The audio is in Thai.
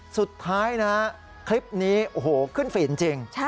สุดท้ายนะคลิปนี้ขึ้นฟีดจริง